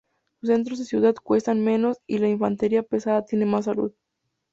Sus centros de ciudad cuestan menos y la infantería pesada tiene más salud.